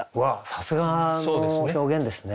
さすがの表現ですね